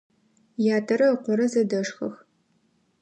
Ятэрэ ыкъорэ зэдэшхэх.